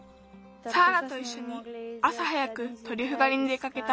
サーラといっしょにあさ早くトリュフがりに出かけた。